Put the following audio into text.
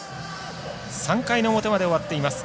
３回の表まで終わっています。